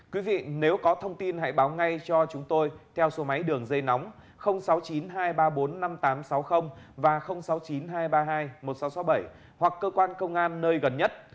quý vị nếu có thông tin hãy báo ngay cho chúng tôi theo số máy đường dây nóng sáu mươi chín hai trăm ba mươi bốn năm nghìn tám trăm sáu mươi và sáu mươi chín hai trăm ba mươi hai một nghìn sáu trăm sáu mươi bảy hoặc cơ quan công an nơi gần nhất